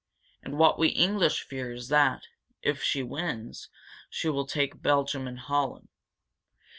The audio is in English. And what we English fear is that, if she wins, she will take Belgium and Holland.